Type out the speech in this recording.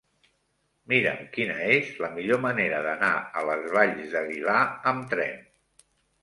Mira'm quina és la millor manera d'anar a les Valls d'Aguilar amb tren.